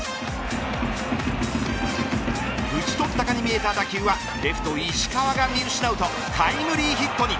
打ち取ったかに見えた打球はレフト、石川が見失うとタイムリーヒットに。